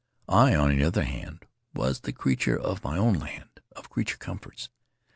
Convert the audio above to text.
I, on the other hand, was the creature of my own land of creature comforts.